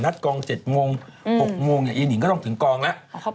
ทุกอย่างนัดกอง๗โมง๖โมงอย่างนี้นิงก็ต้องถึงกองแล้ว